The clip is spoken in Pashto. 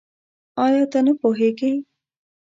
آيا ته نه پوهېږې؟